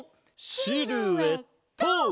シルエット！